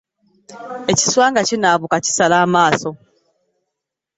Ekiswa nga kinaabuuka kisala amaaso.